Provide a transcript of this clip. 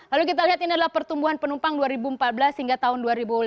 lalu kita lihat ini adalah pertumbuhan penumpang dua ribu empat belas hingga tahun dua ribu lima belas